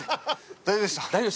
大丈夫でした？